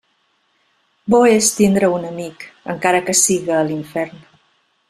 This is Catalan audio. Bo és tindre un amic encara que siga a l'infern.